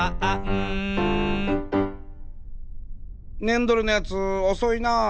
ねんどれのやつおそいなあ。